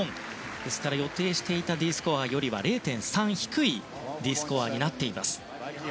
ですから、予定していたよりも０．３低いＤスコアになっています。